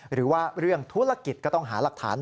หรือว่าเรื่องธุรกิจก็ต้องหาหลักฐาน